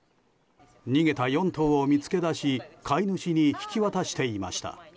逃げた４頭を見つけ出し飼い主に引き渡していました。